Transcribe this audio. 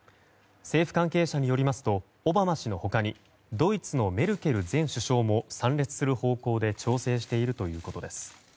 政府関係者によりますとオバマ氏の他にドイツのメルケル前首相も参列する方向で調整しているということです。